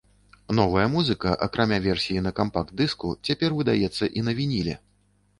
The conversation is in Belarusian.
Новая музыка, акрамя версіі на кампакт-дыску, цяпер выдаецца і на вініле.